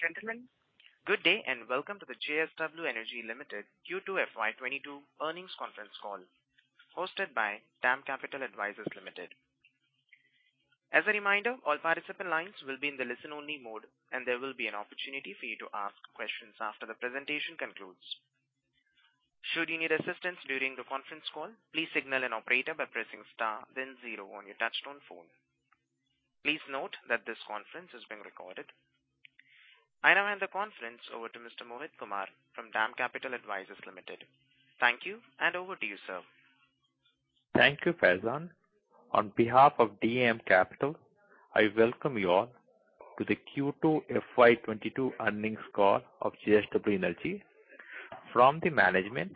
Ladies and gentlemen, good day, and welcome to the JSW Energy Limited Q2 FY 2022 earnings conference call hosted by DAM Capital Advisors Limited. As a reminder, all participant lines will be in the listen-only mode, and there will be an opportunity for you to ask questions after the presentation concludes. Should you need assistance during the conference call, please signal an operator by pressing star then zero on your touchtone phone. Please note that this conference is being recorded. I now hand the conference over to Mr. Mohit Kumar from DAM Capital Advisors Limited. Thank you, and over to you, sir. Thank you, Faizan. On behalf of DAM Capital, I welcome you all to the Q2 FY 2022 earnings call of JSW Energy. From the management,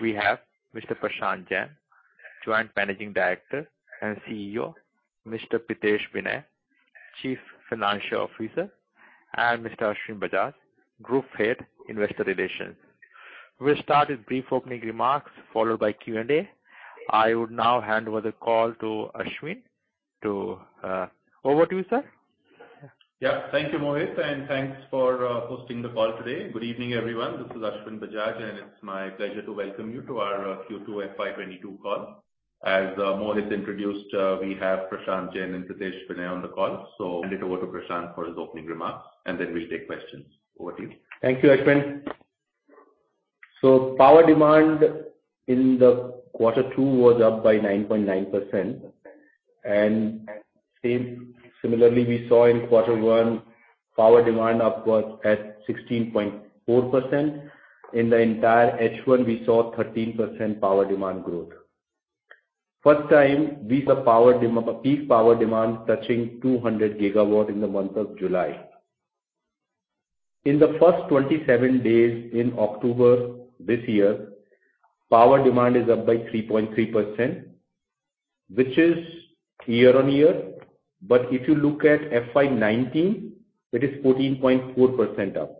we have Mr. Prashant Jain, Joint Managing Director and CEO; Mr. Pritesh Vinay, CFO; and Mr. Ashwin Bajaj, Group Head, Investor Relations. We'll start with brief opening remarks followed by Q&A. I would now hand over the call to Ashwin. Over to you, sir. Yeah. Thank you, Mohit, and thanks for hosting the call today. Good evening, everyone. This is Ashwin Bajaj, and it's my pleasure to welcome you to our Q2 FY 2022 call. As Mohit introduced, we have Prashant Jain and Pritesh Vinay on the call. Hand it over to Prashant for his opening remarks, and then we'll take questions. Over to you. Thank you, Ashwin. Power demand in quarter two was up by 9.9%. Similarly, we saw in quarter one, power demand up was at 16.4%. In the entire H1, we saw 13% power demand growth. First time we saw peak power demand touching 200 GW in the month of July. In the first 27 days in October this year, power demand is up by 3.3%, which is year-on-year. If you look at FY 2019, it is 14.4% up.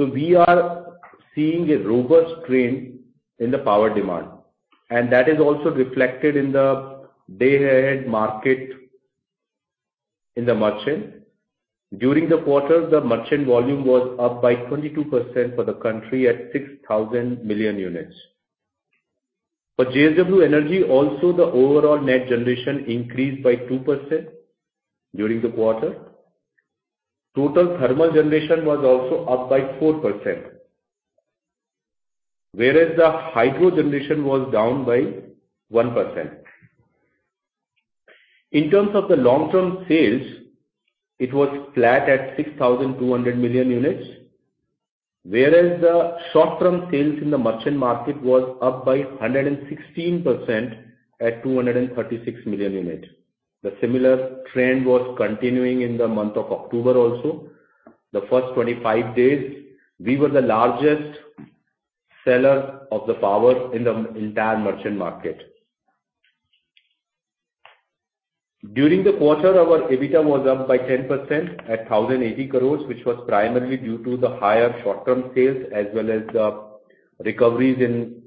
We are seeing a robust trend in the power demand, and that is also reflected in the day-ahead market in the merchant. During the quarter, the merchant volume was up by 22% for the country at 6,000 million units. For JSW Energy, the overall net generation increased by 2% during the quarter. Total thermal generation was up by 4%, whereas the hydro generation was down by 1%. In terms of the long-term sales, it was flat at 6,200 million units, whereas the short-term sales in the merchant market was up by 116% at 236 million units. The similar trend was continuing in the month of October also. The first 25 days, we were the largest seller of the power in the entire merchant market. During the quarter, our EBITDA was up by 10% at 1,080 crores, which was primarily due to the higher short-term sales as well as the recoveries in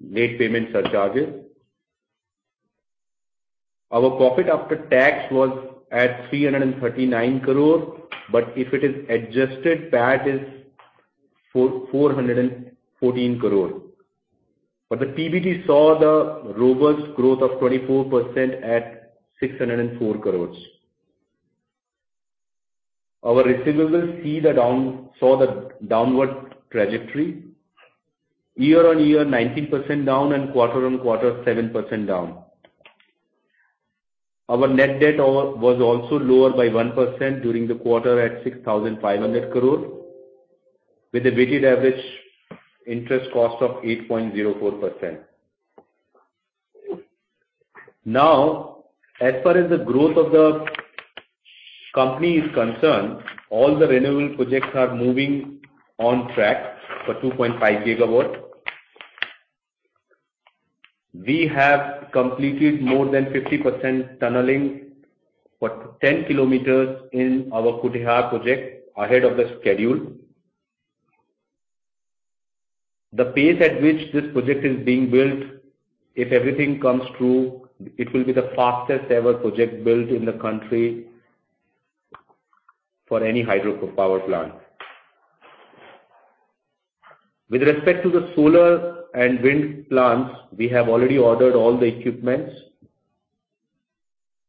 late payment surcharges. Our profit after tax was at 339 crore, but if it is adjusted, PAT is four hundred and fourteen crore. The PBT saw the robust growth of 24% at 604 crore. Our receivables saw the downward trajectory. Year-on-year, 19% down and quarter-on-quarter, 7% down. Our net debt was also lower by 1% during the quarter at 6,500 crore with a weighted average interest cost of 8.04%. Now, as far as the growth of the company is concerned, all the renewable projects are moving on track for 2.5 GW. We have completed more than 50% tunneling for 10 km in our Kutehr project ahead of the schedule. The pace at which this project is being built, if everything comes true, it will be the fastest-ever project built in the country for any hydropower plant. With respect to the solar and wind plants, we have already ordered all the equipment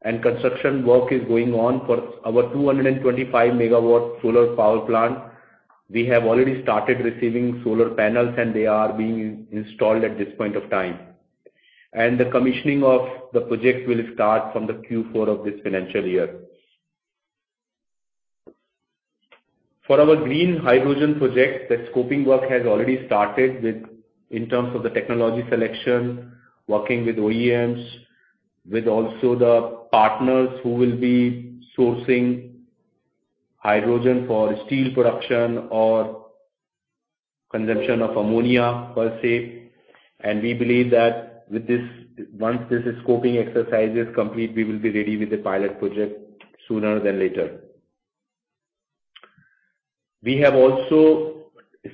and construction work is going on for our 225 MW solar power plant. We have already started receiving solar panels, and they are being installed at this point of time. The commissioning of the project will start from the Q4 of this financial year. For our green hydrogen project, the scoping work has already started with, in terms of the technology selection, working with OEMs, with also the partners who will be sourcing hydrogen for steel production or consumption of ammonia per se. We believe that with this, once this scoping exercise is complete, we will be ready with the pilot project sooner than later. We have also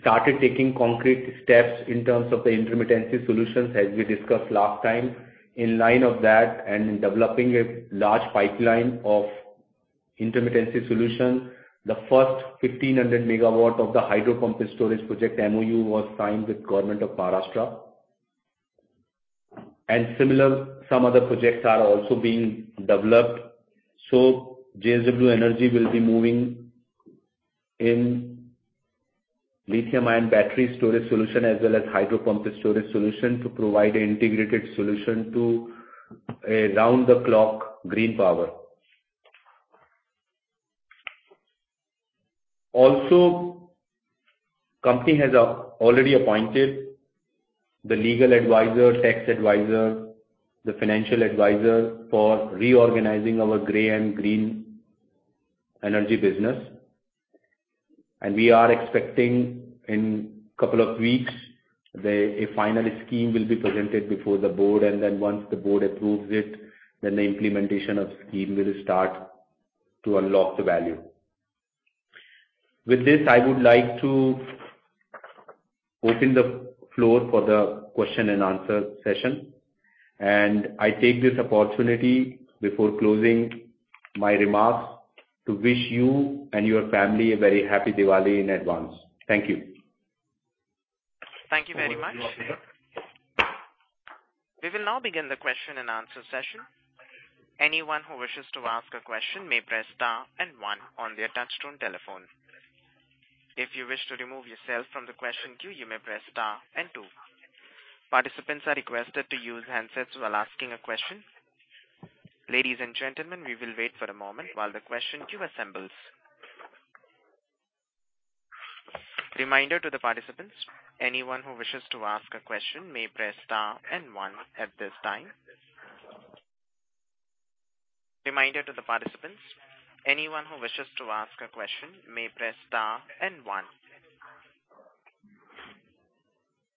started taking concrete steps in terms of the intermittency solutions, as we discussed last time. In line with that and in developing a large pipeline of intermittency solution, the first 1,500 MW of the hydro pumped storage project MoU was signed with Government of Maharashtra. Similar, some other projects are also being developed. JSW Energy will be moving in lithium-ion battery storage solution as well as hydro pumped storage solution to provide an integrated solution to a round-the-clock green power. Also, company has already appointed the legal advisor, tax advisor, the financial advisor for reorganizing our gray and green energy business. We are expecting in a couple of weeks a final scheme will be presented before the board, and then once the board approves it, then the implementation of the scheme will start to unlock the value. With this, I would like to open the floor for the question and answer session, and I take this opportunity before closing my remarks to wish you and your family a very Happy Diwali in advance. Thank you. Thank you very much. We will now begin the question and answer session. Anyone who wishes to ask a question may press star and one on their touchtone telephone. If you wish to remove yourself from the question queue, you may press star and two. Participants are requested to use handsets while asking a question. Ladies and gentlemen, we will wait for a moment while the question queue assembles. Reminder to the participants, anyone who wishes to ask a question may press star and one at this time. Reminder to the participants, anyone who wishes to ask a question may press star and one.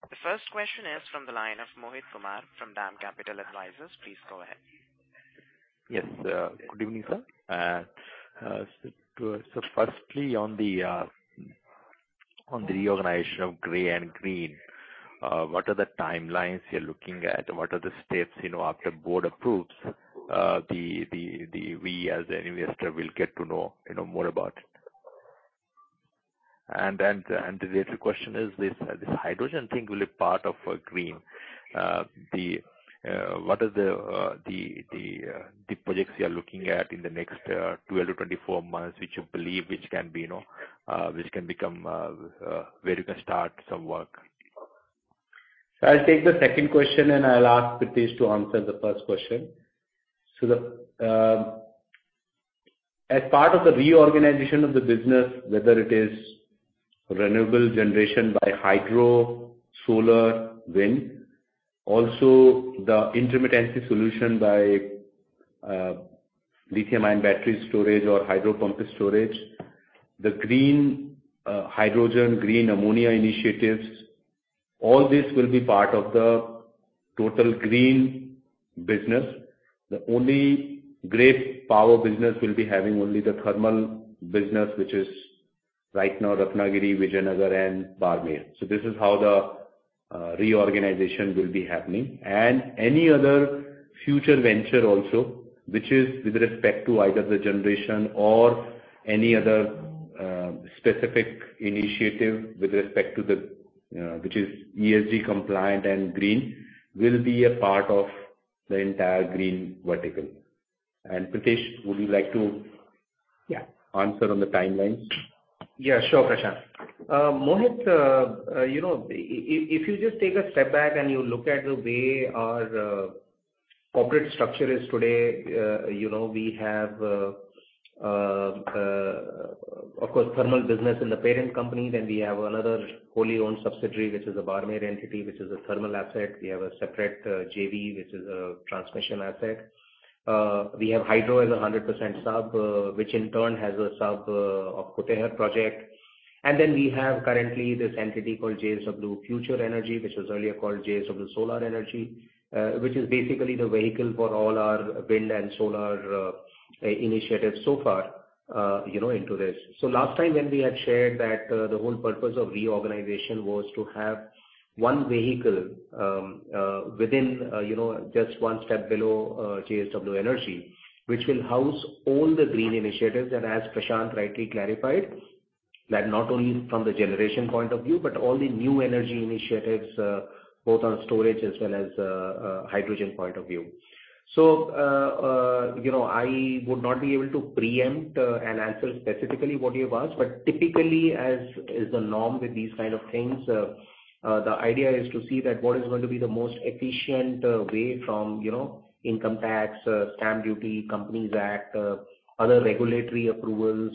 The first question is from the line of Mohit Kumar from DAM Capital Advisors. Please go ahead. Yes. Good evening, sir. So firstly, on the reorganization of gray and green, what are the timelines you're looking at? What are the steps, you know, after board approves, we as an investor will get to know, you know, more about it. And the related question is this hydrogen thing will be part of green. What are the projects you're looking at in the next 12-24 months, which you believe can be, you know, which can become where you can start some work? I'll take the second question, and I'll ask Pritesh to answer the first question. As part of the reorganization of the business, whether it is renewable generation by hydro, solar, wind, also the intermittency solution by lithium-ion battery storage or hydro pumped storage, the green hydrogen, green ammonia initiatives, all this will be part of the total green business. The only gray power business will be having only the thermal business which is right now Ratnagiri, Vijayanagar and Barmer. This is how the reorganization will be happening. Any other future venture also, which is with respect to either the generation or any other specific initiative with respect to the which is ESG compliant and green, will be a part of the entire green vertical. Pritesh, would you like to Yeah. Answer on the timelines? Yeah, sure, Prashant. Mohit, you know, if you just take a step back and you look at the way our corporate structure is today, you know, we have, of course, thermal business in the parent company. We have another wholly owned subsidiary, which is a Barmer entity, which is a thermal asset. We have a separate JV, which is a transmission asset. We have Hydro as a 100% sub, which in turn has a sub of Kutehr project. We have currently this entity called JSW Future Energy, which was earlier called JSW Solar, which is basically the vehicle for all our wind and solar initiatives so far, you know, into this. Last time when we had shared that, the whole purpose of reorganization was to have one vehicle, within, you know, just one step below, JSW Energy, which will house all the green initiatives. As Prashant rightly clarified, that not only from the generation point of view, but all the new energy initiatives, both on storage as well as, hydrogen point of view. You know, I would not be able to preempt, and answer specifically what you have asked. Typically, as is the norm with these kind of things, the idea is to see that what is going to be the most efficient way from, you know, income tax, stamp duty, Companies Act, other regulatory approvals,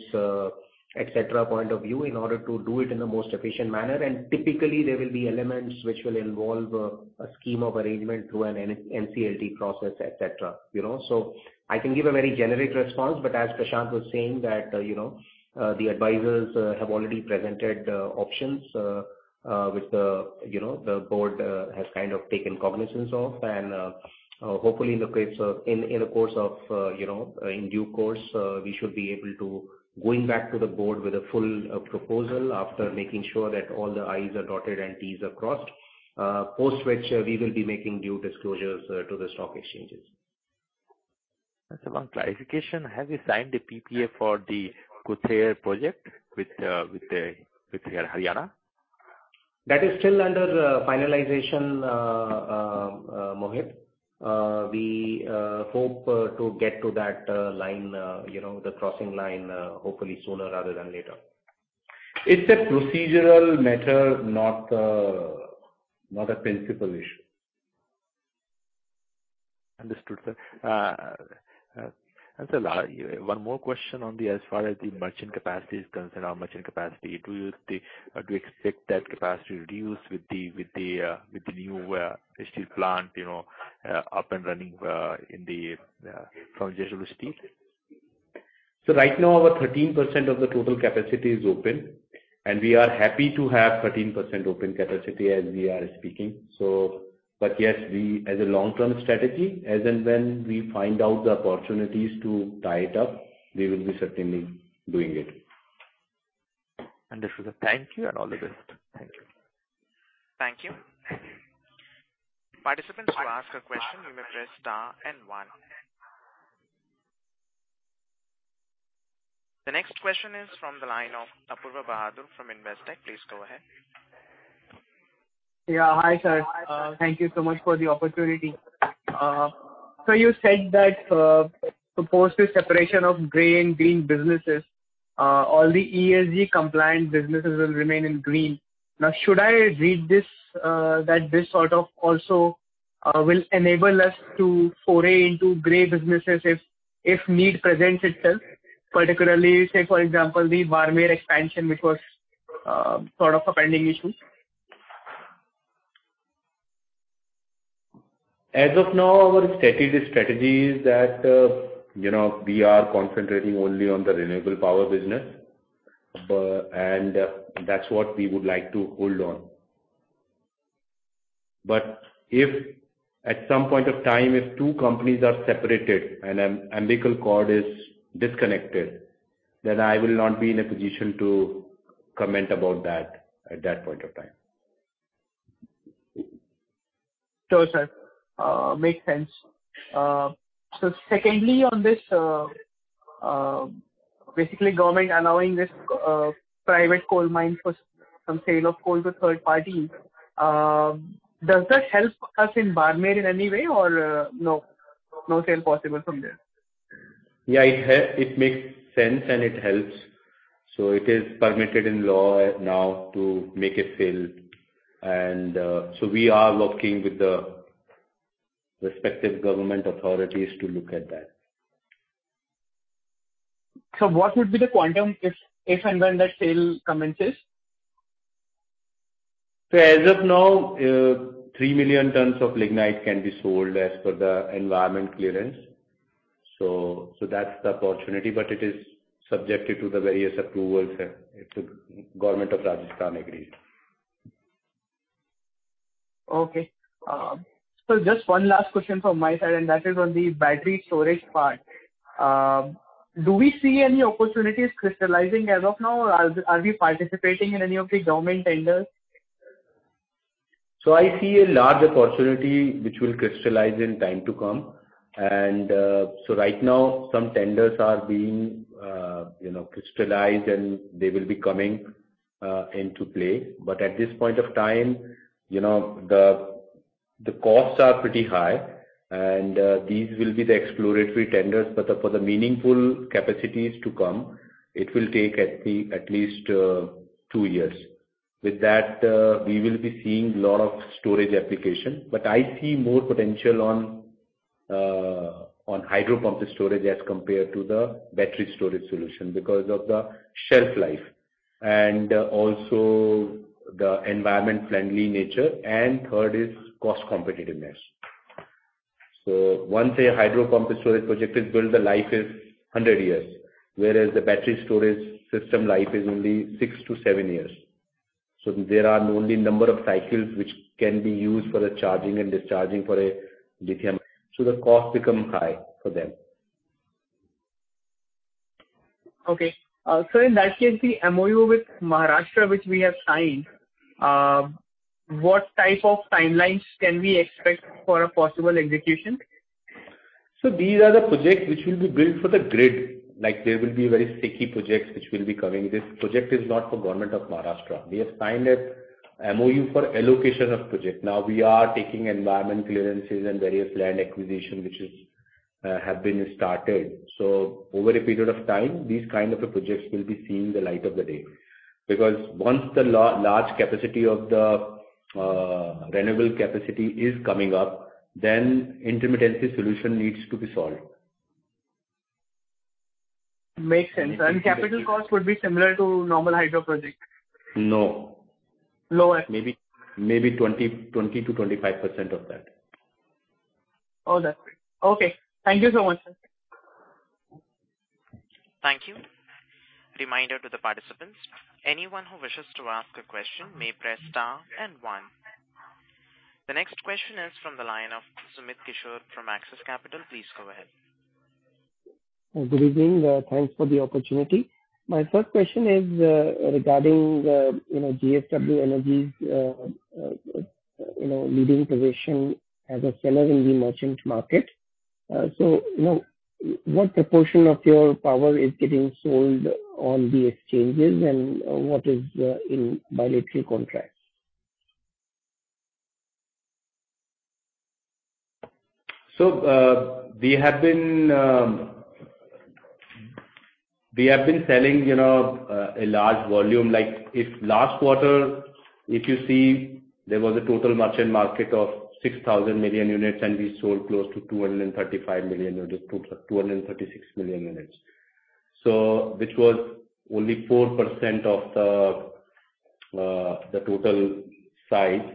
etc., point of view, in order to do it in the most efficient manner. Typically, there will be elements which will involve a scheme of arrangement through an NCLT process, etc., you know. I can give a very generic response, but as Prashant was saying that, you know, the advisors have already presented options which the, you know, the board has kind of taken cognizance of. Hopefully, in due course, you know, we should be able to go back to the board with a full proposal after making sure that all the i's are dotted and t's are crossed. Post which, we will be making due disclosures to the stock exchanges. Sir, one clarification. Have you signed a PPA for the Kutehr project with the Haryana? That is still under finalization, Mohit. We hope to get to that line, you know, the crossing line, hopefully sooner rather than later. It's a procedural matter, not a principal issue. Understood, sir. Sir, one more question as far as the merchant capacity is concerned, our merchant capacity, do you expect that capacity to reduce with the new steel plant, you know, up and running from JSW Steel? Right now, our 13% of the total capacity is open, and we are happy to have 13% open capacity as we are speaking. But yes, we as a long-term strategy, as and when we find out the opportunities to tie it up, we will be certainly doing it. Understood, sir. Thank you and all the best. Thank you. Thank you. Participants who ask a question, you may press star and one. The next question is from the line of Apoorva Bahadur from Investec. Please go ahead. Yeah. Hi, sir. Thank you so much for the opportunity. So you said that proposed separation of gray and green businesses, all the ESG compliant businesses will remain in green. Now, should I read this that this sort of also will enable us to foray into gray businesses if need presents itself, particularly, say, for example, the Barmer expansion, which was sort of a pending issue? As of now, our stated strategy is that, you know, we are concentrating only on the renewable power business, and that's what we would like to hold on. If at some point of time, if two companies are separated and an umbilical cord is disconnected, then I will not be in a position to comment about that at that point of time. Sure, sir. Makes sense. Secondly, on this, basically government allowing this, private coal mine for some sale of coal to third parties, does that help us in Barmer in any way or no sale possible from there? Yeah, it makes sense and it helps. It is permitted in law now to make a sale. We are working with the respective government authorities to look at that. What would be the quantum if and when that sale commences? As of now, 3 million tons of lignite can be sold as per the environment clearance. That's the opportunity. It is subjected to the various approvals and if the Government of Rajasthan agrees. Okay. Just one last question from my side, and that is on the battery storage part. Do we see any opportunities crystallizing as of now? Are we participating in any of the government tenders? I see a large opportunity which will crystallize in time to come. Right now some tenders are being, you know, crystallized and they will be coming into play. But at this point of time, you know, the costs are pretty high and these will be the exploratory tenders. But for the meaningful capacities to come, it will take at least two years. With that, we will be seeing a lot of storage application, but I see more potential on hydro pumped storage as compared to the battery storage solution because of the shelf life and also the environment friendly nature. Third is cost competitiveness. Once a hydro pumped storage project is built, the life is 100 years, whereas the battery storage system life is only six to seven years. There are only a number of cycles which can be used for the charging and discharging for a lithium, so the cost becomes high for them. Okay. In that case, the MoU with Maharashtra, which we have signed, what type of timelines can we expect for a possible execution? These are the projects which will be built for the grid. Like, there will be very sticky projects which will be coming. This project is not for Government of Maharashtra. We have signed a MoU for allocation of project. Now we are taking environment clearances and various land acquisition which is, have been started. Over a period of time, these kind of projects will be seeing the light of the day. Because once the large capacity of the renewable capacity is coming up, then intermittency solution needs to be solved. Makes sense. Capital cost would be similar to normal hydro project? No. Lower. Maybe 20%-25% of that. All right. Okay. Thank you so much, sir. Thank you. Reminder to the participants. Anyone who wishes to ask a question may press star and one. The next question is from the line of Sumit Kishore from Axis Capital. Please go ahead. Good evening. Thanks for the opportunity. My first question is regarding the you know, JSW Energy's you know, leading position as a seller in the merchant market. You know, what proportion of your power is getting sold on the exchanges and what is in bilateral contracts? We have been selling, you know, a large volume. Like if last quarter, if you see, there was a total merchant market of 6,000 million units, and we sold close to 235 million units to 236 million units. Which was only 4% of the total size.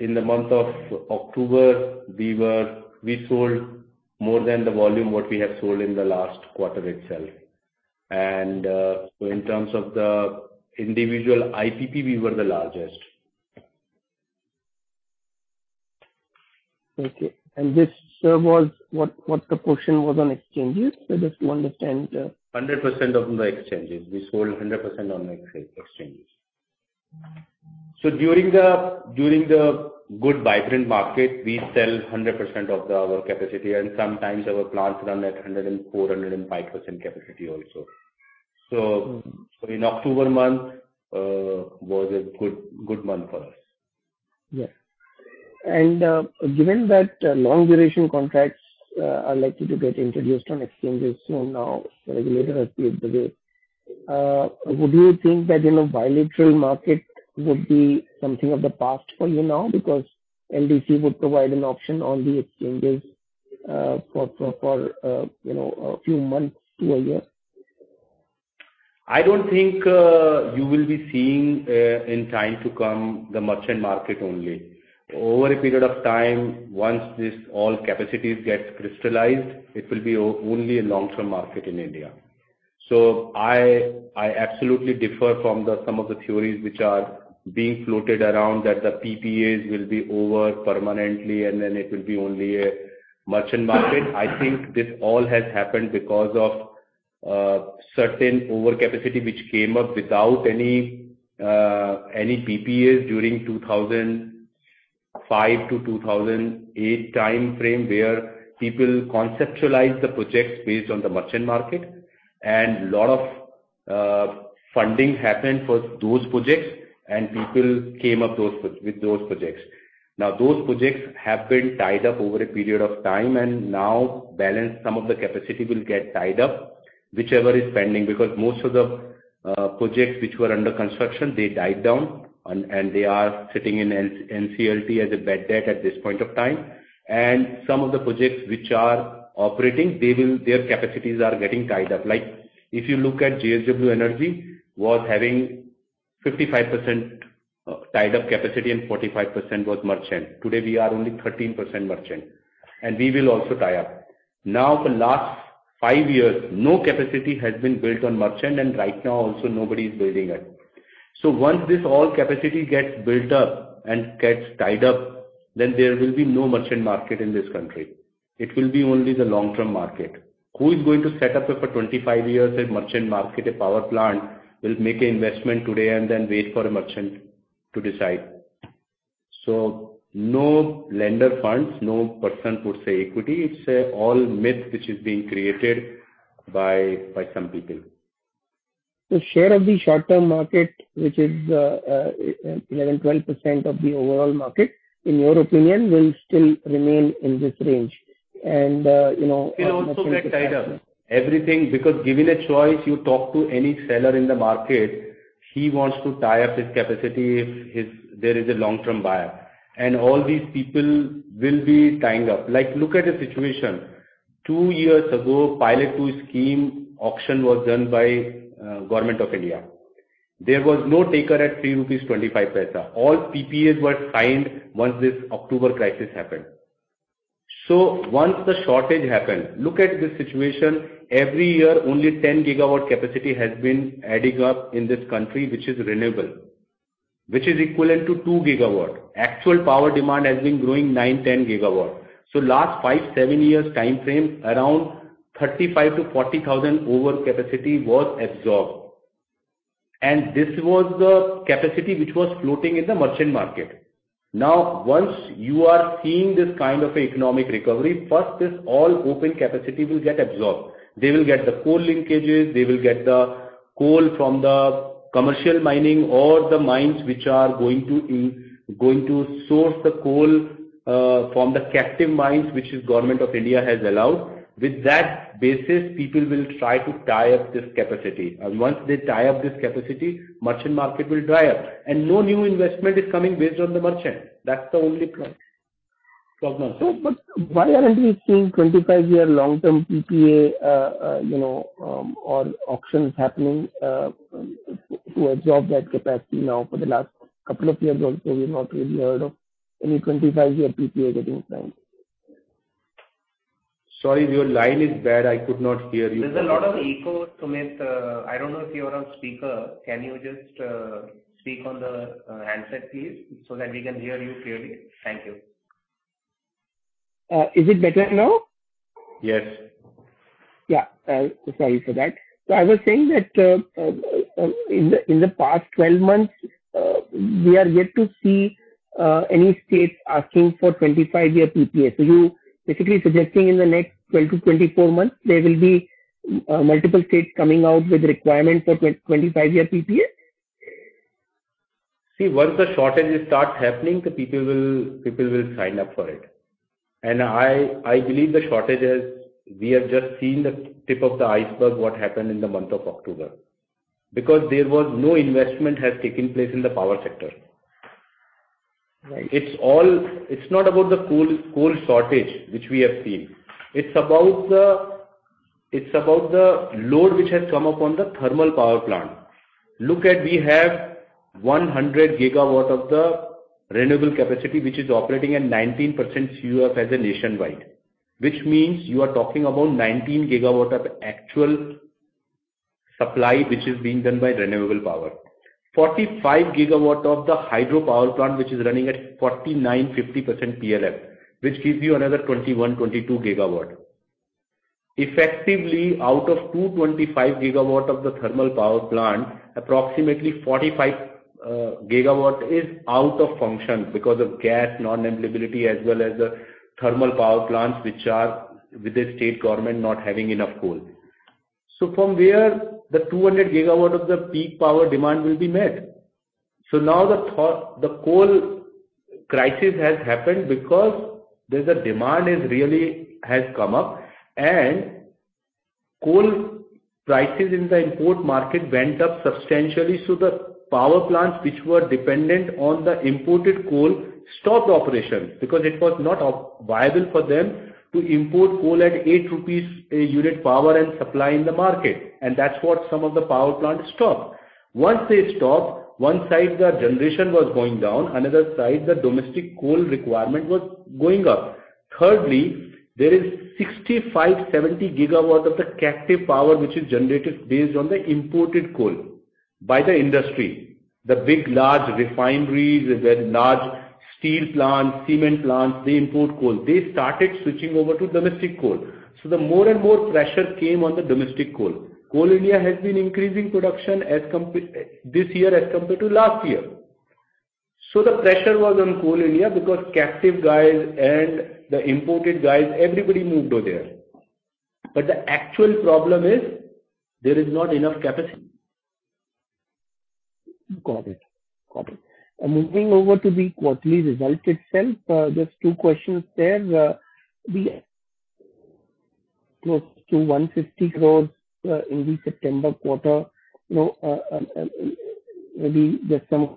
In the month of October, we sold more than the volume what we have sold in the last quarter itself. In terms of the individual IPP, we were the largest. Okay. This was what the portion was on exchanges? Just to understand. 100% on the exchanges. We sold 100% on exchange. During the good vibrant market, we sell 100% of our capacity and sometimes our plants run at 104%, 105% capacity also. Mm-hmm. In October month was a good month for us. Given that long duration contracts are likely to get introduced on exchanges soon now, the regulator has paved the way, would you think that, you know, bilateral market would be something of the past for you now because LDC would provide an option on the exchanges, for you know, a few months to a year? I don't think you will be seeing in time to come the merchant market only. Over a period of time, once this all capacities gets crystallized, it will be only a long-term market in India. I absolutely differ from some of the theories which are being floated around that the PPAs will be over permanently, and then it will be only a merchant market. I think this all has happened because of certain overcapacity which came up without any PPAs during 2005-2008 timeframe, where people conceptualized the projects based on the merchant market. A lot of funding happened for those projects and people came up with those projects. Now, those projects have been tied up over a period of time, and now balance some of the capacity will get tied up, whichever is pending, because most of the projects which were under construction, they died down and they are sitting in NCLT as a bad debt at this point of time. Some of the projects which are operating, they will, their capacities are getting tied up. Like if you look at JSW Energy was having 55% tied up capacity and 45% was merchant. Today we are only 13% merchant, and we will also tie up. Now for last five years, no capacity has been built on merchant, and right now also nobody is building it. Once this all capacity gets built up and gets tied up, then there will be no merchant market in this country. It will be only the long-term market. Who is going to set up for 25 years a merchant market, a power plant, will make an investment today and then wait for a merchant to decide? No lender funds, no person puts an equity. It's all myth which is being created by some people. The share of the short-term market, which is 11%-12% of the overall market, in your opinion, will still remain in this range. You know- It will also get tied up. Everything, because given a choice, you talk to any seller in the market, he wants to tie up his capacity if there is a long-term buyer. All these people will be tying up. Like, look at the situation. 2 years ago, Pilot Scheme auction was done by Government of India. There was no taker at 3.25 rupees. All PPAs were signed once this October crisis happened. Once the shortage happened, look at this situation. Every year, only 10 GW capacity has been adding up in this country, which is renewable, which is equivalent to 2 GW. Actual power demand has been growing 9-10 GW. Last 5-7 years timeframe, around 35,000-40,000 overcapacity was absorbed. This was the capacity which was floating in the merchant market. Now, once you are seeing this kind of economic recovery, first, this all open capacity will get absorbed. They will get the coal linkages, they will get the coal from the commercial mining or the mines which are going to source the coal from the captive mines, which is Government of India has allowed. With that basis, people will try to tie up this capacity. Once they tie up this capacity, merchant market will dry up and no new investment is coming based on the merchant. That's the only point. Why aren't we seeing 25-year long-term PPA or auctions happening to absorb that capacity now for the last couple of years also? We've not really heard of any 25-year PPA getting signed. Sorry, your line is bad. I could not hear you. There's a lot of echo, Sumit. I don't know if you're on speaker. Can you just speak on the handset please, so that we can hear you clearly? Thank you. Is it better now? Yes. Sorry for that. I was saying that in the past 12 months, we are yet to see any states asking for 25-year PPAs. You basically suggesting in the next 12-24 months there will be multiple states coming out with requirement for 25-year PPA? See, once the shortages start happening, the people will sign up for it. I believe the shortages, we have just seen the tip of the iceberg, what happened in the month of October. Because there was no investment has taken place in the power sector. Right. It's not about the coal shortage which we have seen. It's about the load which has come up on the thermal power plant. Look, we have 100 GW of the renewable capacity, which is operating at 19% CF as a nationwide, which means you are talking about 19 GW of actual supply, which is being done by renewable power. 45 GW of the hydropower plant, which is running at 49 to 50% PLF, which gives you another 21 to 22 GW. Effectively, out of 225 GW of the thermal power plant, approximately 45 GW is out of function because of gas non-availability as well as the thermal power plants, which are with the state government not having enough coal. From where the 200 GW of the peak power demand will be met. Now the coal crisis has happened because the demand has really come up and coal prices in the import market went up substantially. The power plants which were dependent on the imported coal stopped operations because it was not viable for them to import coal at 8 rupees a unit power and supply in the market. That's what some of the power plants stopped. Once they stopped, one side the generation was going down, another side the domestic coal requirement was going up. Thirdly, there is 65 to 70 GW of the captive power, which is generated based on the imported coal by the industry. The big large refineries, the large steel plants, cement plants, they import coal. They started switching over to domestic coal. The more and more pressure came on the domestic coal. Coal India has been increasing production this year as compared to last year. The pressure was on Coal India because captive guys and the imported guys, everybody moved over there. The actual problem is there is not enough capacity. Got it. Moving over to the quarterly results itself, just two questions there. The close to 150 crores in the September quarter, you know, maybe just some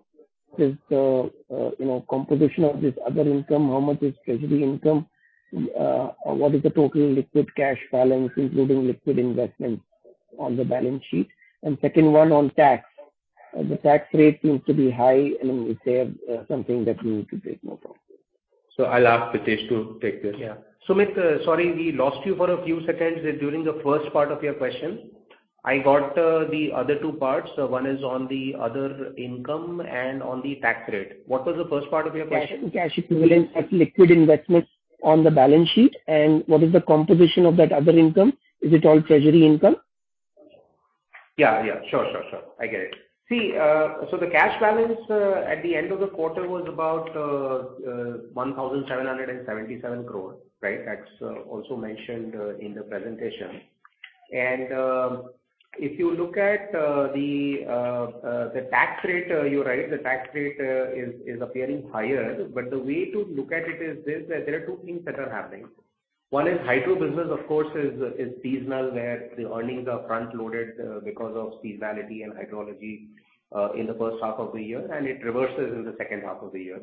composition of this other income, how much is treasury income? What is the total liquid cash balance, including liquid investments on the balance sheet? Second one on tax. The tax rate seems to be high and if there's something that we need to take note of. I'll ask Pritesh to take this. Yeah. Sumit, sorry, we lost you for a few seconds during the first part of your question. I got the other two parts. One is on the other income and on the tax rate. What was the first part of your question? Cash, cash equivalents, liquid investments on the balance sheet, and what is the composition of that other income? Is it all treasury income? Yeah, sure. I get it. See, so the cash balance at the end of the quarter was about 1,777 crore, right? That's also mentioned in the presentation. If you look at the tax rate, you're right, the tax rate is appearing higher. The way to look at it is this, that there are two things that are happening. One is hydro business, of course, is seasonal, where the earnings are front-loaded because of seasonality and hydrology in the first half of the year, and it reverses in the second half of the year.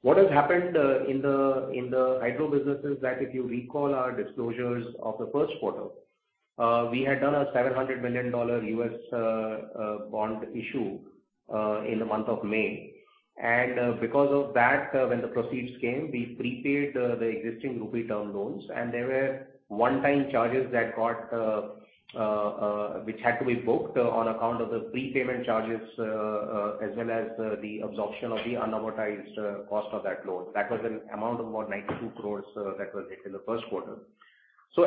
What has happened in the hydro business is that if you recall our disclosures of the Q1, we had done a $700 million US bond issue in the month of May. Because of that, when the proceeds came, we prepaid the existing rupee term loans, and there were one-time charges which had to be booked on account of the prepayment charges as well as the absorption of the unamortized cost of that loan. That was an amount of about 92 crores that was hit in the Q1.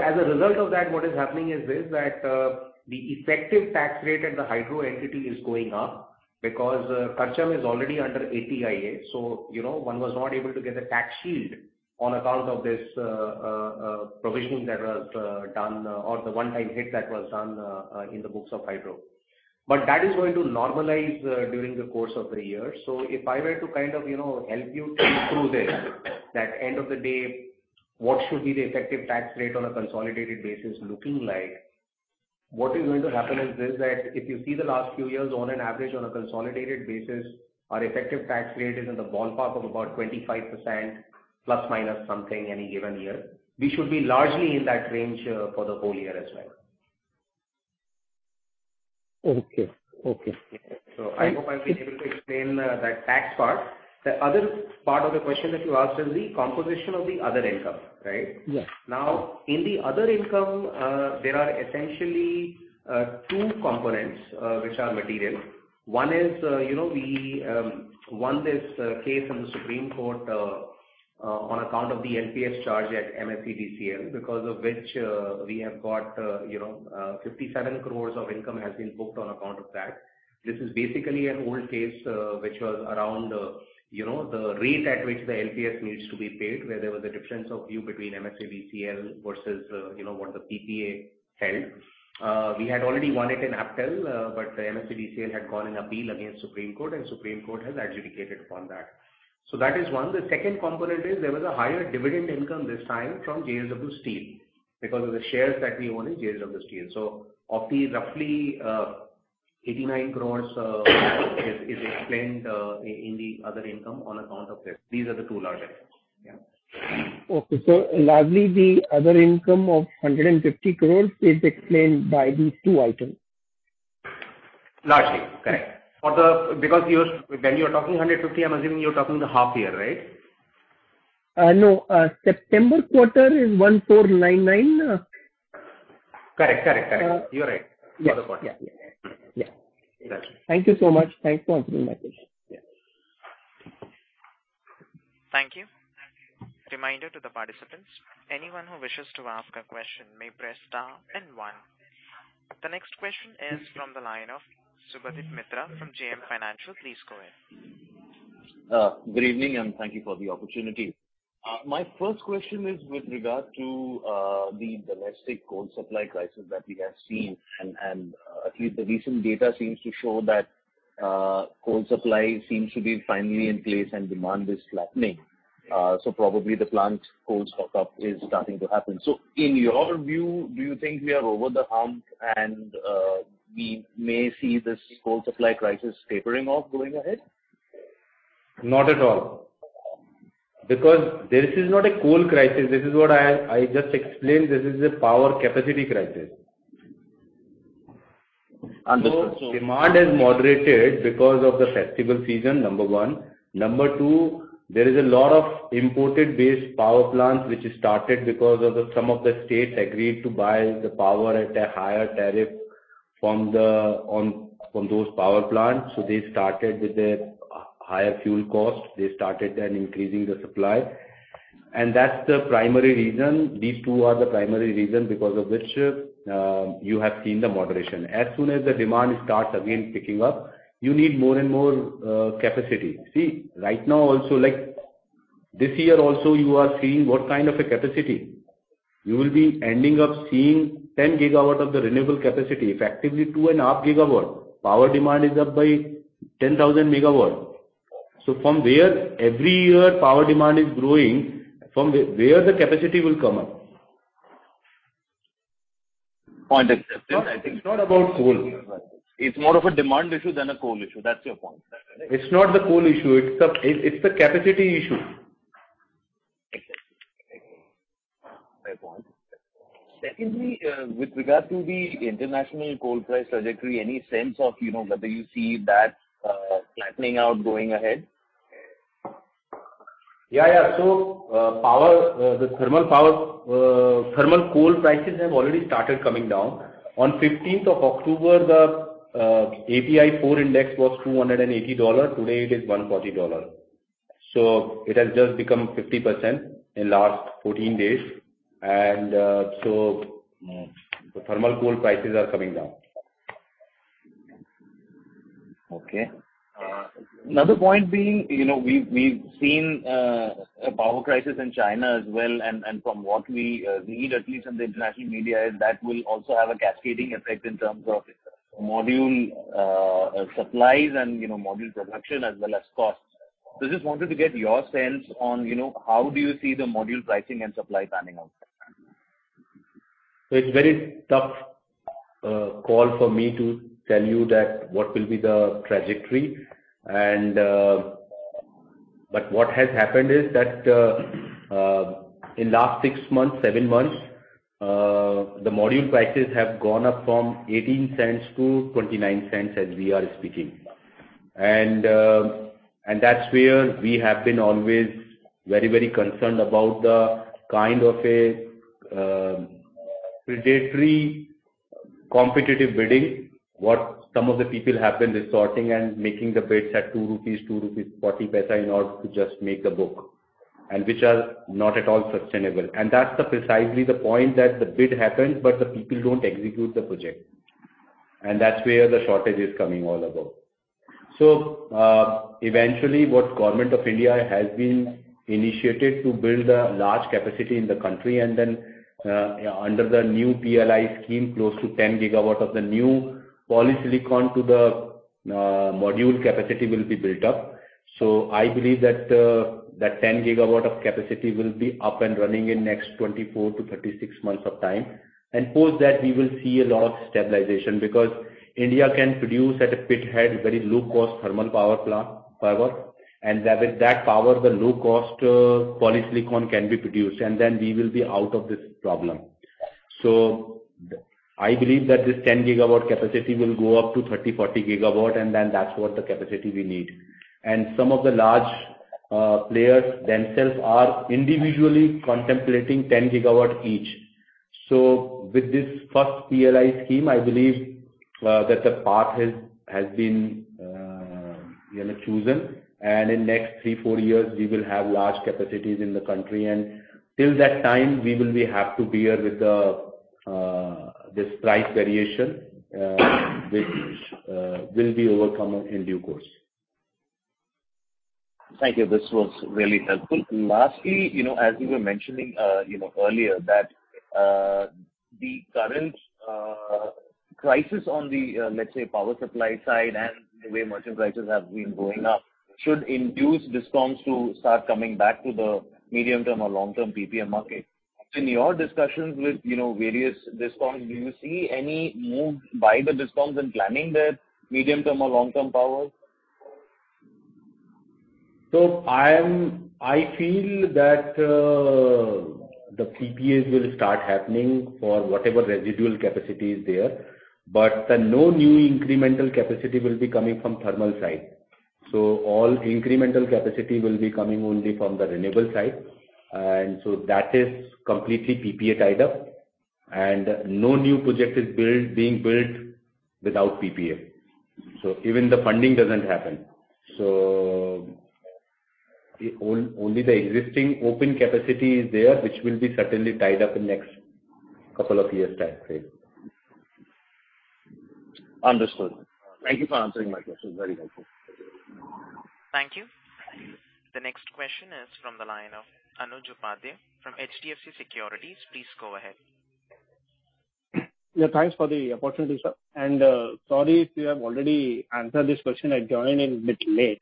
As a result of that, what is happening is this, the effective tax rate at the hydro entity is going up because Karcham is already under 80IA. you know, one was not able to get a tax shield on account of this provision that was done, or the one-time hit that was done, in the books of hydro. that is going to normalize during the course of the year. if I were to kind of, you know, help you think through this, that end of the day, what should be the effective tax rate on a consolidated basis looking like? What is going to happen is this, that if you see the last few years on an average on a consolidated basis, our effective tax rate is in the ballpark of about 25% plus minus something any given year. We should be largely in that range for the whole year as well. Okay. Okay. I hope I've been able to explain that tax part. The other part of the question that you asked is the composition of the other income, right? Yes. Now, in the other income, there are essentially two components which are material. One is, you know, we won this case from the Supreme Court on account of the LPS charge at MSEDCL because of which we have got, you know, 57 crore of income has been booked on account of that. This is basically an old case which was around, you know, the rate at which the LPS needs to be paid, where there was a difference of view between MSEDCL versus, you know, what the PPA held. We had already won it in appeal, but the MSEDCL had gone in appeal against Supreme Court, and Supreme Court has adjudicated upon that. That is one. The second component is there was a higher dividend income this time from JSW Steel because of the shares that we own in JSW Steel. Of the roughly 89 crore is explained in the other income on account of this. These are the two largest. Yeah. Okay. Largely the other income of 150 crores is explained by these 2 items. Largely, correct. Because when you're talking 150, I'm assuming you're talking the half year, right? No. September quarter is 1,499. Correct. You're right. Yeah. Exactly. Thank you so much. Thanks for answering my question. Yeah. Thank you. Reminder to the participants. Anyone who wishes to ask a question may press star and one. The next question is from the line of Subhadip Mitra from JM Financial. Please go ahead. Good evening, and thank you for the opportunity. My first question is with regard to the domestic coal supply crisis that we have seen, and at least the recent data seems to show that coal supply seems to be finally in place and demand is flattening. Probably the plant coal stock-up is starting to happen. In your view, do you think we are over the hump and we may see this coal supply crisis tapering off going ahead? Not at all. Because this is not a coal crisis. This is what I just explained. This is a power capacity crisis. Understood. Demand has moderated because of the festival season, number one. Number two, there is a lot of import-based power plants which started because some of the states agreed to buy the power at a higher tariff from those power plants, so they started with a higher fuel cost. They started then increasing the supply. That's the primary reason. These two are the primary reason because of which you have seen the moderation. As soon as the demand starts again picking up, you need more and more capacity. See, right now also, like, this year also you are seeing what kind of a capacity. You will be ending up seeing 10 GW of the renewable capacity, effectively 2.5 GW. Power demand is up by 10,000 MW. From where every year power demand is growing, from where the capacity will come up? Point accepted. It's not about coal. It's more of a demand issue than a coal issue. That's your point. Is that right? It's not the coal issue. It's the capacity issue. Exactly. Fair point. Secondly, with regard to the international coal price trajectory, any sense of, you know, whether you see that, flattening out going ahead? Thermal coal prices have already started coming down. On the 15th of October, the API4 index was $280. Today, it is $140. It has just become 50% in the last 14 days, and the thermal coal prices are coming down. Okay. Another point being, you know, we've seen a power crisis in China as well. From what we read at least in the international media is that will also have a cascading effect in terms of module supplies and, you know, module production as well as costs. Just wanted to get your sense on, you know, how do you see the module pricing and supply panning out? It's very tough call for me to tell you that what will be the trajectory and what has happened is that in the last six months, seven months, the module prices have gone up from $0.18 to $0.29 as we are speaking. That's where we have been always very, very concerned about the kind of a predatory competitive bidding what some of the people have been resorting and making the bids at 2 rupees, 2.40 rupees in order to just make the book, and which are not at all sustainable. That's precisely the point that the bid happens, but the people don't execute the project. That's where the shortage is coming overall. Eventually, the Government of India has initiated to build a large capacity in the country and then, under the new PLI scheme, close to 10 GW of the new polysilicon to the module capacity will be built up. I believe that 10 GW of capacity will be up and running in next 24 to 36 months of time. Post that, we will see a lot of stabilization because India can produce at a pithead very low-cost thermal power, and with that power, the low-cost polysilicon can be produced, and then we will be out of this problem. I believe that this 10 GW capacity will go up to 30 to 40 GW, and then that's the capacity we need. Some of the large players themselves are individually contemplating 10 GW each. With this first PLI scheme, I believe that the path has been, you know, chosen. In next three, four years, we will have large capacities in the country. Till that time, we will have to bear with this price variation, which will be overcome in due course. Thank you. This was really helpful. Lastly, you know, as you were mentioning, you know, earlier that the current crisis, let's say, on the power supply side and the way merchant prices have been going up should induce DISCOMs to start coming back to the medium-term or long-term PPA market. In your discussions with, you know, various DISCOMs, do you see any move by the DISCOMs in planning their medium-term or long-term power? I feel that the PPAs will start happening for whatever residual capacity is there. No new incremental capacity will be coming from thermal side. All incremental capacity will be coming only from the renewable side. That is completely PPA tied up. No new project is being built without PPA. Even the funding doesn't happen. Only the existing open capacity is there, which will be certainly tied up in next couple of years timeframe. Understood. Thank you for answering my question. Very helpful. Thank you. The next question is from the line of Anuj Upadhyay from HDFC Securities. Please go ahead. Yeah, thanks for the opportunity, sir. Sorry if you have already answered this question. I joined a bit late.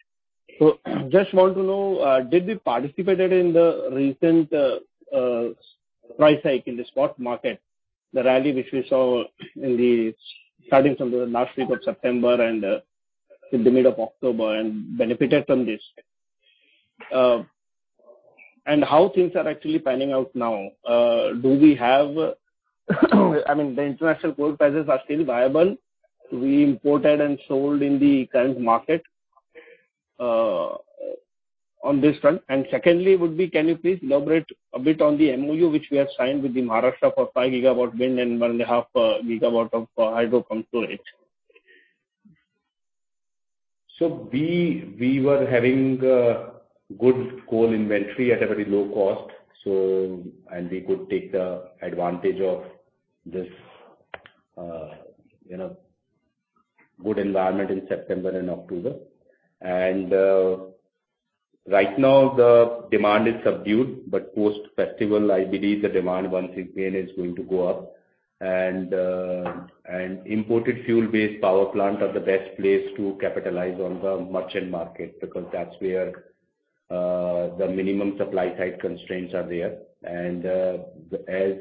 Just want to know, did we participated in the recent price hike in the spot market, the rally which we saw in the starting from the last week of September and through the mid of October and benefited from this? And how things are actually panning out now? Do we have? I mean, the international coal prices are still viable. We imported and sold in the current market on this front. Secondly, can you please elaborate a bit on the MoU which we have signed with the Government of Maharashtra for 5 GW wind and 1.5 GW of hydro pumped storage? We were having good coal inventory at a very low cost. We could take the advantage of this, you know, good environment in September and October. Right now the demand is subdued, but post-festival, I believe the demand once again is going to go up. Imported fuel-based power plant are the best place to capitalize on the merchant market because that's where the minimum supply side constraints are there. As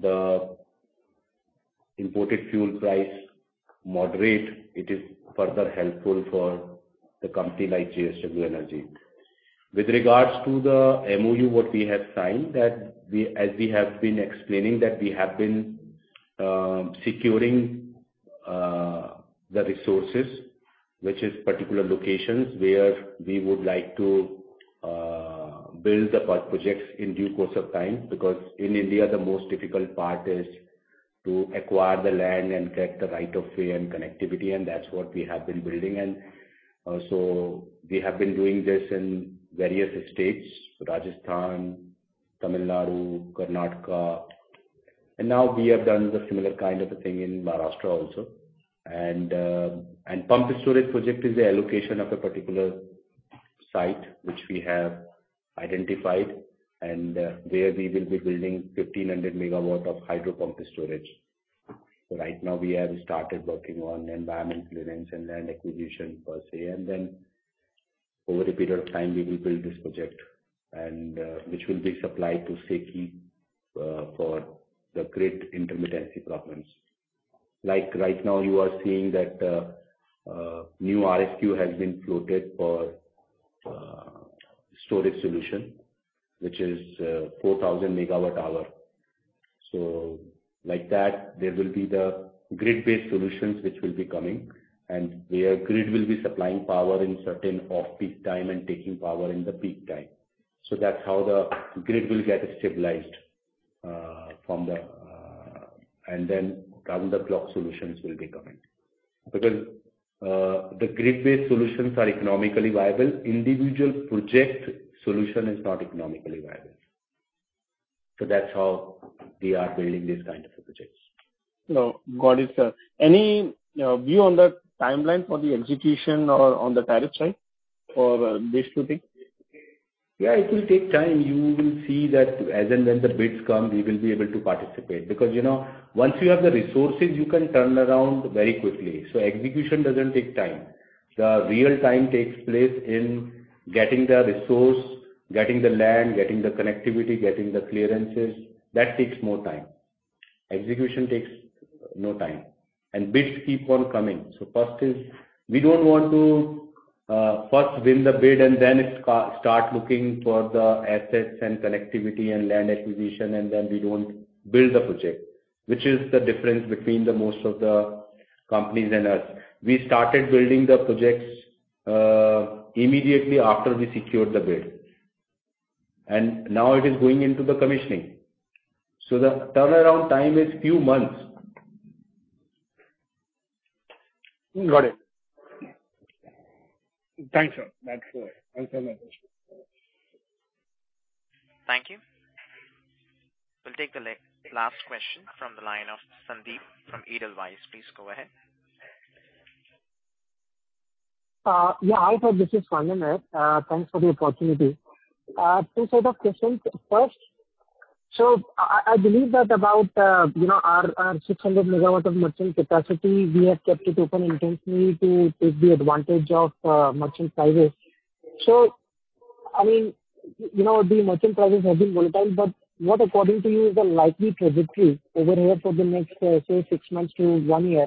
the imported fuel price moderate, it is further helpful for a company like JSW Energy. With regards to the MoU, what we have signed, that we, as we have been explaining, securing the resources, which are particular locations where we would like to build the power projects in due course of time, because in India, the most difficult part is to acquire the land and get the right of way and connectivity, and that's what we have been building. So we have been doing this in various states, Rajasthan, Tamil Nadu, Karnataka. Now we have done the similar kind of a thing in Maharashtra also. The pumped storage project is the allocation of a particular site which we have identified, and where we will be building 1,500 MW of hydro pumped storage. Right now we have started working on environment clearance and land acquisition per se. Over a period of time, we will build this project and which will be supplied to SECI for the grid intermittency problems. Like right now you are seeing that a new RFQ has been floated for storage solution, which is 4,000 MWh. Like that, there will be the grid-based solutions which will be coming, and where grid will be supplying power in certain off-peak time and taking power in the peak time. That's how the grid will get stabilized. Round the clock solutions will be coming. Because the grid-based solutions are economically viable. Individual project solution is not economically viable. That's how we are building these kind of projects. Got it, sir. Any view on the timeline for the execution or on the tariff side for these two things? Yeah, it will take time. You will see that as and when the bids come, we will be able to participate. Because, you know, once you have the resources, you can turn around very quickly. Execution doesn't take time. The real time takes place in getting the resource, getting the land, getting the connectivity, getting the clearances. That takes more time. Execution takes no time. Bids keep on coming. First win the bid, and then it start looking for the assets and connectivity and land acquisition, and then we don't build the project, which is the difference between the most of the companies and us. We started building the projects immediately after we secured the bid. Now it is going into the commissioning. The turnaround time is few months. Got it. Thanks, sir. That's also my question. Thank you. We'll take the last question from the line of Sandeep from Edelweiss. Please go ahead. Yeah, hi, sir, this is Sandeep. Thanks for the opportunity. Two set of questions. First, I believe that about, you know, our 600 MW of merchant capacity, we have kept it open intentionally to take the advantage of, merchant prices. I mean, you know, the merchant prices have been volatile, but what, according to you, is the likely trajectory over here for the next, say, six months to one year?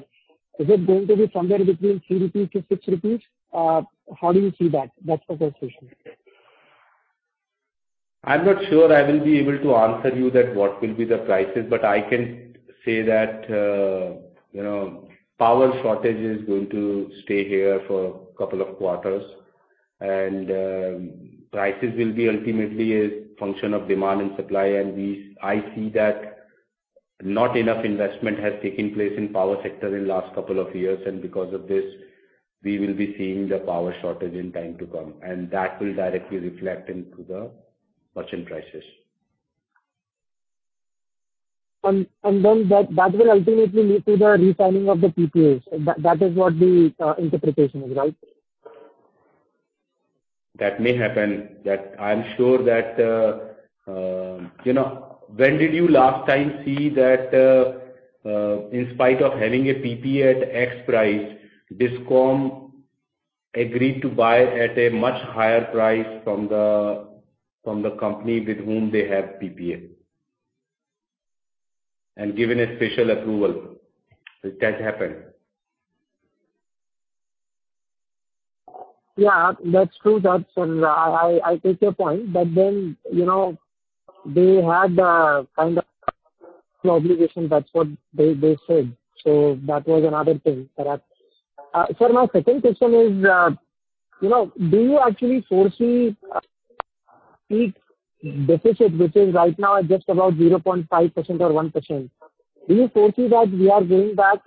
Is it going to be somewhere between 3 rupees to 6? How do you see that? That's the first question. I'm not sure I will be able to answer you that what will be the prices, but I can say that, you know, power shortage is going to stay here for couple of quarters. Prices will be ultimately a function of demand and supply, and I see that not enough investment has taken place in power sector in last couple of years, and because of this, we will be seeing the power shortage in time to come, and that will directly reflect into the merchant prices. That will ultimately lead to the re-signing of the PPAs. That is what the interpretation is, right? That may happen. I'm sure that, you know, when did you last time see that, in spite of having a PPA at X price, DISCOM agreed to buy at a much higher price from the company with whom they have PPA? Given a special approval. Does that happen? Yeah. That's true. I take your point. You know, they had the kind of obligation. That's what they said. That was another thing. Sir, my second question is, you know, do you actually foresee a peak deficit which is right now at just about 0.5% or 1%? Do you foresee that we are going back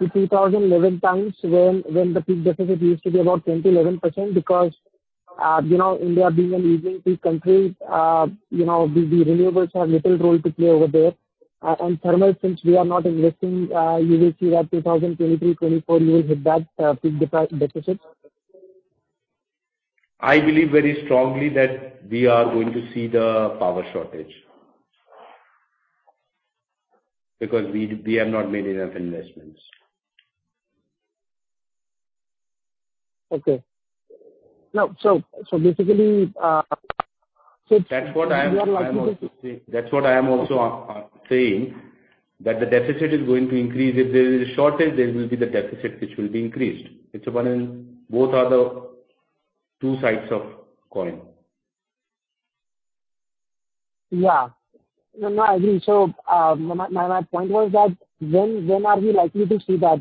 to 2011 times when the peak deficit used to be about 10% to 11%? Because, you know, India being an evening peak country, you know, the renewables have little role to play over there. And thermal, since we are not investing, you will see that 2023, 2024, you will hit that peak deficit. I believe very strongly that we are going to see the power shortage. Because we have not made enough investments. Okay. Now basically. That's what I am also saying, that the deficit is going to increase. If there is a shortage, there will be the deficit which will be increased. Both are the two sides of coin. Yeah. No, no, I agree. My point was that when are we likely to see that?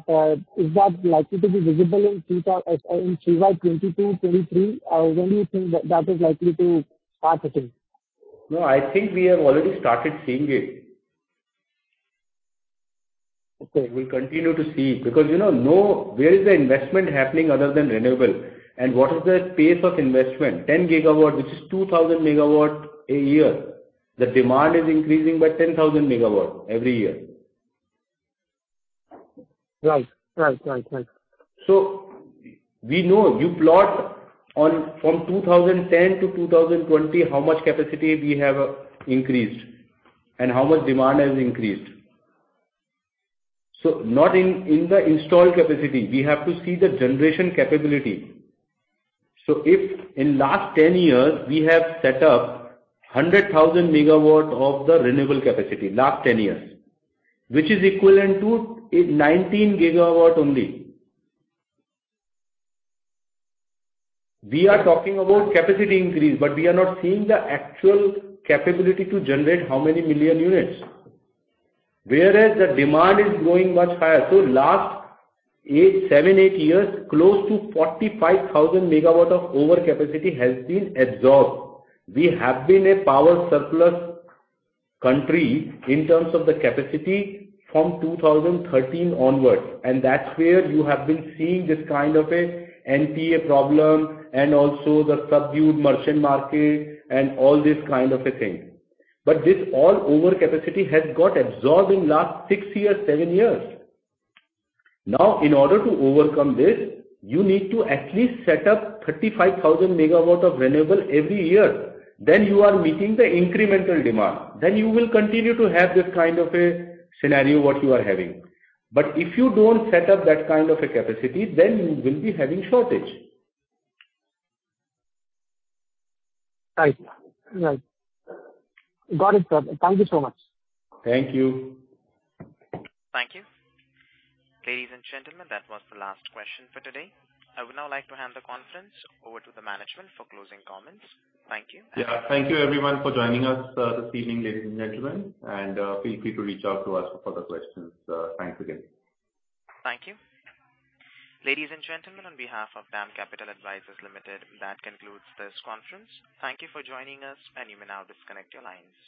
Is that likely to be visible in FY 2022-2023? When do you think that is likely to start hitting? No, I think we have already started seeing it. Okay. We'll continue to see, because, you know, where is the investment happening other than renewable? What is the pace of investment? 10 GW, which is 2,000 MW a year. The demand is increasing by 10,000 MW every year. Right. We know you plot on from 2010 to 2020, how much capacity we have increased and how much demand has increased. Not in the installed capacity. We have to see the generation capability. If in last 10 years we have set up 100,000 MW of the renewable capacity, last 10 years, which is equivalent to 19 GW only. We are talking about capacity increase, but we are not seeing the actual capability to generate how many million units. Whereas the demand is growing much higher. Last 7-8 years, close to 45,000 MW of overcapacity has been absorbed. We have been a power surplus country in terms of the capacity from 2013 onwards, and that's where you have been seeing this kind of a NPA problem and also the subdued merchant market and all this kind of a thing. This all overcapacity has got absorbed in last 6 years, 7 years. Now, in order to overcome this, you need to at least set up 35,000 MW of renewable every year. You are meeting the incremental demand. You will continue to have this kind of a scenario, what you are having. If you don't set up that kind of a capacity, then you will be having shortage. Right. Right. Got it, sir. Thank you so much. Thank you. Thank you. Ladies and gentlemen, that was the last question for today. I would now like to hand the conference over to the management for closing comments. Thank you. Yeah. Thank you everyone for joining us, this evening, ladies and gentlemen, and, feel free to reach out to us for further questions. Thanks again. Thank you. Ladies and gentlemen, on behalf of DAM Capital Advisors Limited, that concludes this conference. Thank you for joining us, and you may now disconnect your lines.